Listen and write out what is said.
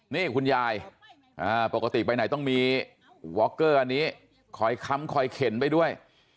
นี่คุณยายปกติไปไหนต้องมีวอคเกอร์อันนี้คอยค้ำคอยเข็นไปด้วย